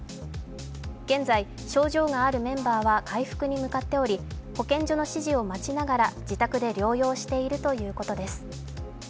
現在、症状があるメンバーは回復に向かっており、保健所の指示を待ちながら自宅で療養しているということです。